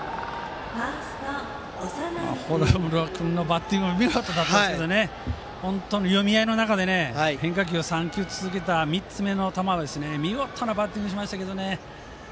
幌村君のバッティングも見事ですが本当に読み合いの中で変化球を続けて３つ目の球を見事なバッティングしましたけどね。